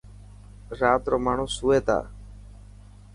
رات رو ماڻهوسوئي تا.